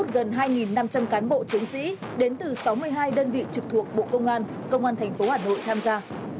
gần hai năm trăm linh cán bộ chiến sĩ đến từ sáu mươi hai đơn vị trực thuộc bộ công an công an thành phố hà nội tham gia